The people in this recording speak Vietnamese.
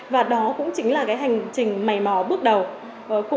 và đó cũng chính là cái hành trình mầy mò bước đầu